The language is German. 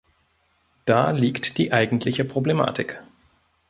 Da liegt die eigentliche Problematik.